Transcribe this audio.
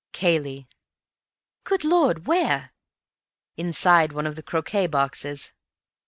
"Cayley." "Good Lord! Where?" "Inside one of the croquet boxes."